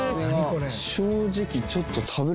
正直ちょっと。